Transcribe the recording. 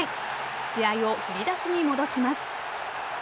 試合を振り出しに戻します。